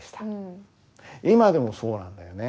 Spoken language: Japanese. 今でもそうなんだよね。